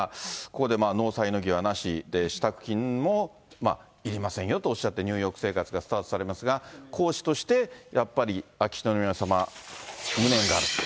ここで納采の儀はなしで、支度金もいりませんよとおっしゃって、ニューヨーク生活がスタートされますが、皇嗣としてやっぱり秋篠宮さま、無念がある。